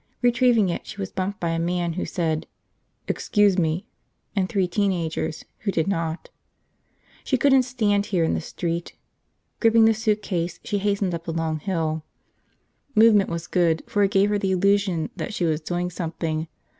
Retrieving it, she was bumped by a man who said, "Excuse me" and three teen agers who did not. She couldn't stand here in the street. Gripping the suitcase, she hastened up the long hill. Movement was good for it gave her the illusion that she was doing something.